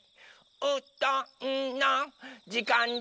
「うどんのじかんです！」